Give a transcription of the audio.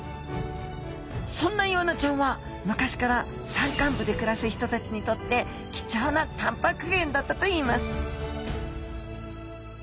そんなイワナちゃんは昔から山間部で暮らす人たちにとって貴重なたんぱく源だったといいます